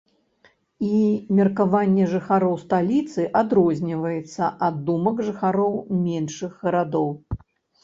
І меркаванне жыхароў сталіцы адрозніваецца ад думак жыхароў меншых гарадоў.